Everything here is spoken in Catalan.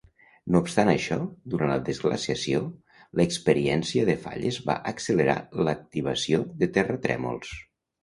No obstant això, durant la desglaciació, l"experiència de falles va accelerar l"activació de terratrèmols.